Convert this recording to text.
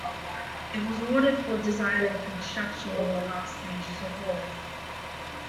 It was ordered for design and construction in the last stages of war.